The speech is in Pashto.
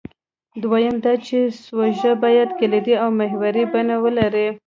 دویم دا چې سوژه باید کلیدي او محوري بڼه ولري.